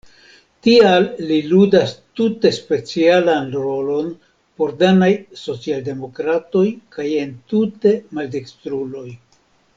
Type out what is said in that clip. Tial li ludas tute specialan rolon por danaj socialdemokratoj kaj entute maldekstruloj.